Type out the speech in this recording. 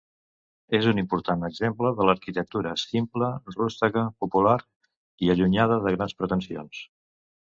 És un important exemple de l'arquitectura simple, rústega, popular i allunyada de grans pretensions.